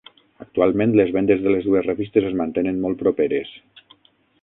Actualment, les vendes de les dues revistes es mantenen molt properes.